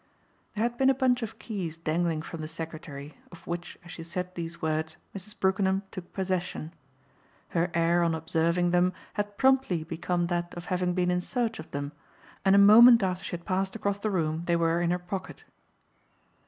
There had been a bunch of keys dangling from the secretary, of which as she said these words Mrs. Brookenham took possession. Her air on observing them had promptly become that of having been in search of them, and a moment after she had passed across the room they were in her pocket.